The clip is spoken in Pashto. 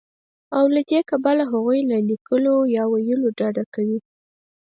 او له دې کبله هغوی له ليکلو يا ويلو ډډه کوي